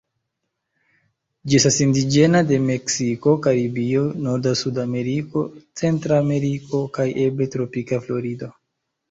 Ĝi estas indiĝena de Meksiko, Karibio, norda Sudameriko, Centrameriko kaj eble tropika Florido.